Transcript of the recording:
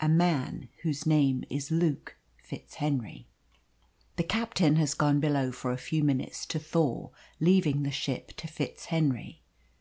A man whose name is Luke FitzHenry. The captain has gone below for a few minutes to thaw, leaving the ship to FitzHenry.